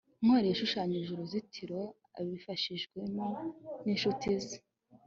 ntwali yashushanyije uruzitiro abifashijwemo n'inshuti ze